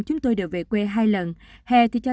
chúng tôi đều về quê hai lần hè thì cho